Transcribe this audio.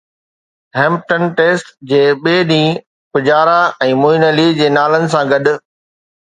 Hampton test جي ٻئي ڏينهن پجارا ۽ معين علي جي نالن سان گڏ